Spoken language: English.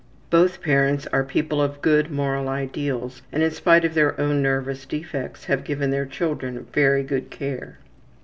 Both parents are people of good moral ideals, and in spite of their own nervous defects have given their children very good care.